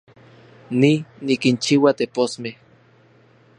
Ni, nikinchiua teposmej